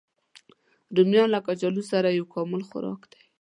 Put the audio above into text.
رومیان له کچالو سره یو کامل خوراک دی